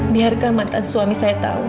biarkan mata suami saya tahu